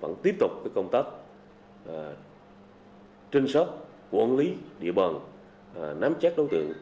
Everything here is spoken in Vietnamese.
vẫn tiếp tục công tác trinh sát quản lý địa bàn nắm chắc đối tượng